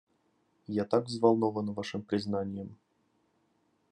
Я так взволнована Вашим признанием.